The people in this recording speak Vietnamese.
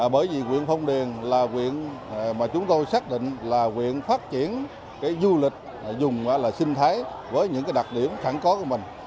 bởi vì huyện phong điền là huyện mà chúng tôi xác định là huyện phát triển du lịch dùng sinh thái với những đặc điểm khẳng có của mình